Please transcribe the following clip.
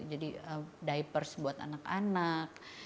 jadi diapers buat anak anak